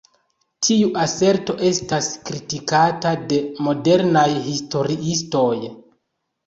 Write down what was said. Tiu aserto estas kritikata de modernaj historiistoj.